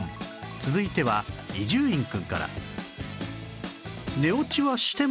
続いては伊集院くんから